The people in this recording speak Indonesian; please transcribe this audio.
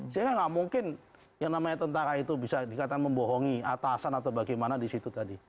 sehingga nggak mungkin yang namanya tentara itu bisa dikatakan membohongi atasan atau bagaimana di situ tadi